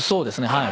はい。